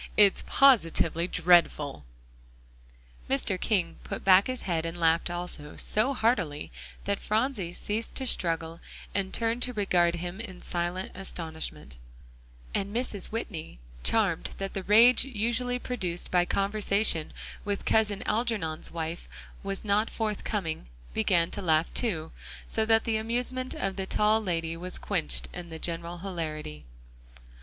It's positively dreadful!" Mr. King put back his head and laughed also; so heartily, that Phronsie ceased to struggle, and turned to regard him in silent astonishment; and Mrs. Whitney, charmed that the rage usually produced by conversation with Cousin Algernon's wife was not forthcoming, began to laugh, too, so that the amusement of the tall lady was quenched in the general hilarity.